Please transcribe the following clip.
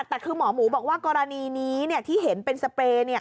แต่คือหมอหมูบอกว่ากรณีนี้ที่เห็นเป็นสเปรย์